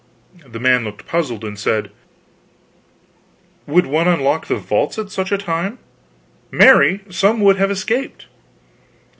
The man looked puzzled, and said: "Would one unlock the vaults at such a time? Marry, some would have escaped."